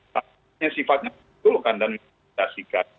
tapi sifatnya dulu kan dan kita sikat